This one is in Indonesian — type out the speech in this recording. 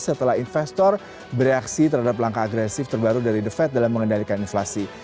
setelah investor bereaksi terhadap langkah agresif terbaru dari the fed dalam mengendalikan inflasi